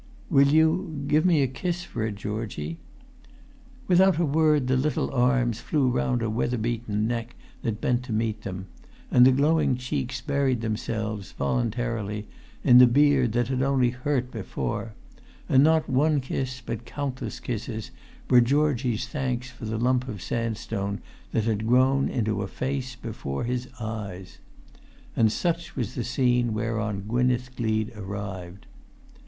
"Will you—give me a kiss for it, Georgie?" Without a word the little arms flew round a weatherbeaten neck that bent to meet them, and the glowing cheeks buried themselves, voluntarily, in the beard that had only hurt before; and not one kiss, but countless kisses, were Georgie's thanks for the lump of sandstone that had grown into a face[Pg 268] before his eyes. And such was the scene whereon Gwynneth Gleed arrived.